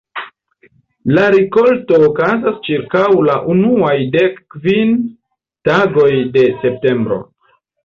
La rikolto okazas ĉirkaŭ la unuaj dek kvin tagoj de septembro.